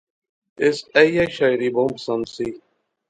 اس ایہہ شاعری بہوں پسند سی